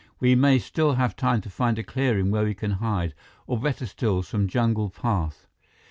We may still have time to find a clearing where we can hide, or better still, some jungle path."